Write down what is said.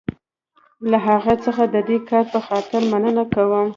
له هغه څخه د دې کار په خاطر مننه کوم.